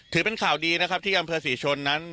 ถือเป็นข่าวดีนะครับที่อำเภอศรีชนนั้น